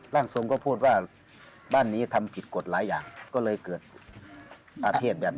ร่างทรงก็พูดว่าบ้านนี้ทำผิดกฎหลายอย่างก็เลยเกิดอาเภษแบบนี้